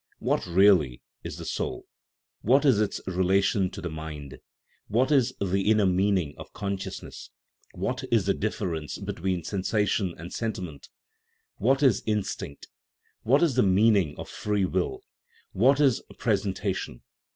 What, really, is the " soul "? What is its re lation to the " mind "? What is the inner meaning of " consciousness "? What is the difference between " sensation " and " sentiment "? What is " instinct "? What is the meaning of " free will "? What is " pres entation"?